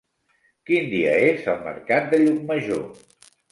Quin dia és el mercat de Llucmajor?